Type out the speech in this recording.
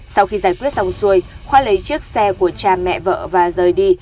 sau khi giải quyết xong xuôi khoa lấy chiếc xe của cha mẹ vợ và rời đi